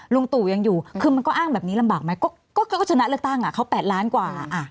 ลุงตู่ยังอยู่คือมันก็อ้างแบบนี้ลำบากไหมก็ชนะเลือกตั้งเขา๘ล้านกว่า